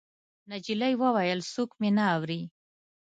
نجلۍ وويل: څوک مې نه اوري.